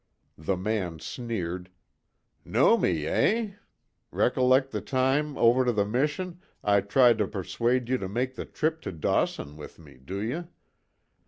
The man sneered: "Know me, eh? Rec'lect the time, over to the mission I tried to persuade you to make the trip to Dawson with me do you?